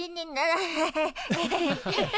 アハハハ。